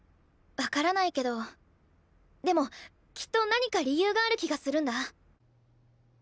分からないけどでもきっと何か理由がある気がするんだ。